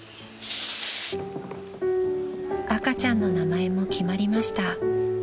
［赤ちゃんの名前も決まりました］